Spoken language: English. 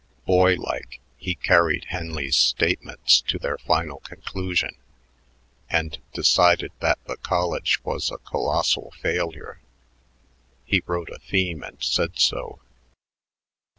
Boy like, he carried Henley's statements to their final conclusion and decided that the college was a colossal failure. He wrote a theme and said so.